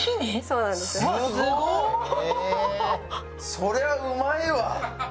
そりゃうまいわ。